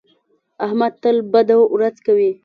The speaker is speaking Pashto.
احمد تل بده ورځ کوي.